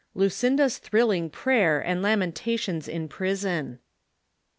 LUCINDA'S THRILLING PRAYER AND LAMENTATIONS IN PRISON.